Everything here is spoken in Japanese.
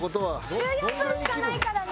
１４分しかないからね。